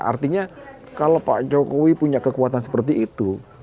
artinya kalau pak jokowi punya kekuatan seperti itu